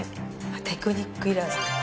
テクニックいらず。